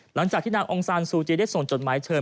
หลังจากที่นางองซานซูจีได้ส่งจดหมายเชิญ